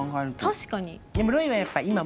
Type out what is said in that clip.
確かに。